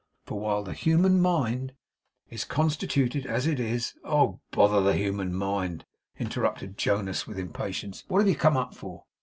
For while the human mind is constituted as it is ' 'Oh, bother the human mind,' interrupted Jonas with impatience 'what have you come up for?